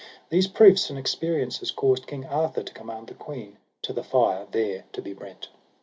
These proofs and experiences caused King Arthur to command the queen to the fire there to be brent.